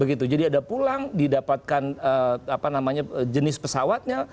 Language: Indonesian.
begitu jadi ada pulang didapatkan jenis pesawatnya